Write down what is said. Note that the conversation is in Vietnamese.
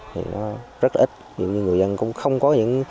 thì nó rất ít người dân cũng không có những